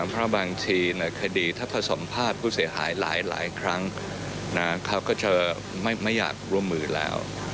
เพราะบางทีคดีถ้าผสมภาษณ์ผู้เสียหายหลายครั้งเขาก็จะไม่อยากร่วมมือแล้ว